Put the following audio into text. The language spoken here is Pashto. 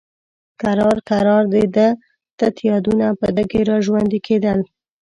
کرار کرار د ده تت یادونه په ده کې را ژوندي کېدل.